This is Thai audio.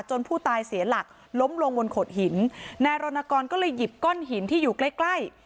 ผู้ตายเสียหลักล้มลงบนโขดหินนายรณกรก็เลยหยิบก้อนหินที่อยู่ใกล้ใกล้